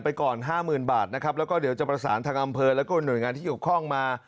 ไปก่อน๕๐๐๐๐บาทนะครับแล้วก็เดี๋ยวจะประสานทางอำเภอแล้วก็หน่วยงานที่หยุดคล่องมา